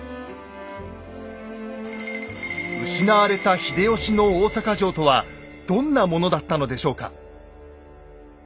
失われた秀吉の大坂城とはどんなものだったのでしょうか。